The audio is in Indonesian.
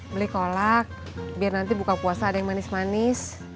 beli kolak biar nanti buka puasa ada yang manis manis